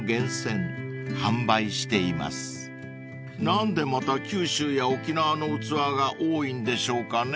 ［何でまた九州や沖縄の器が多いんでしょうかね］